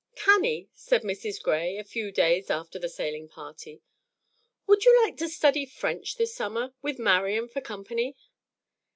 "CANNIE," said Mrs. Gray, a few days after the sailing party, "would you like to study French this summer, with Marian for company?"